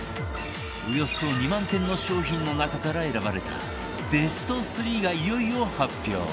およそ２万点の商品の中から選ばれたベスト３がいよいよ発表